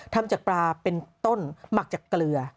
ทำจากปลาเป็นต้นหมักจากเกลือ